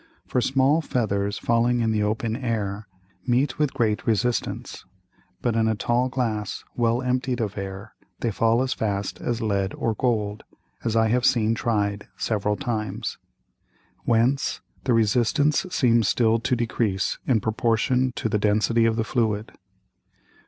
For small Feathers falling in the open Air meet with great Resistance, but in a tall Glass well emptied of Air, they fall as fast as Lead or Gold, as I have seen tried several times. Whence the Resistance seems still to decrease in proportion to the Density of the Fluid.